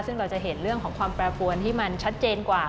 ซึ่งเราจะเห็นเรื่องของความแปรปวนที่มันชัดเจนกว่า